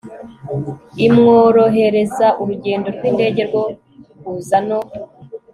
imworohereza urugendo rw indege rwo kuza no